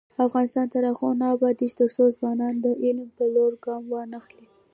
افغانستان تر هغو نه ابادیږي، ترڅو ځوانان د علم په لور ګام واخلي.